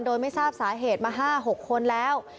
โดยไม่ทราบสาเหตุมา๕๖คนแล้ว